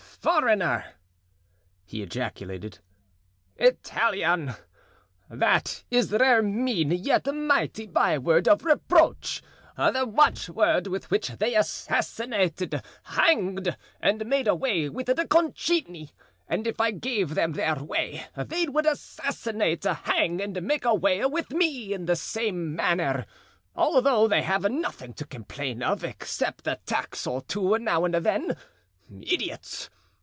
"Foreigner!" he ejaculated, "Italian! that is their mean yet mighty byword of reproach—the watchword with which they assassinated, hanged, and made away with Concini; and if I gave them their way they would assassinate, hang, and make away with me in the same manner, although they have nothing to complain of except a tax or two now and then. Idiots!